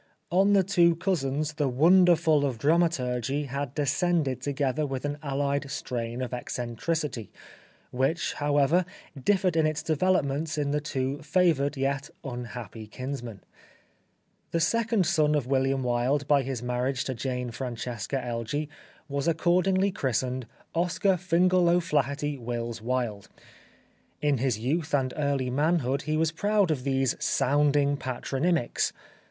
On the two cousins the wonderful of dramaturgy had descended to gether with an allied strain of eccentricity, which, however, differed in its developments in the two favoured yet unhappy kinsmen. The second son of William Wilde by his marriage to Jane Francesca Elgee was accord ingly christened, Oscar Fingal O' Flaherty Wills Wilde. In his youth and early manhood he was proud of these sounding patronymics.